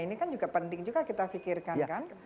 ini kan juga penting juga kita pikirkan kan